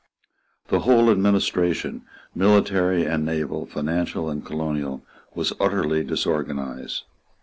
The whole administration, military and naval, financial and colonial, was utterly disorganized.